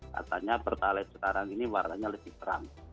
katanya pertalite sekarang ini warnanya lebih terang